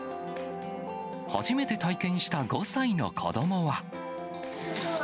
初めて体験した５歳の子どもは。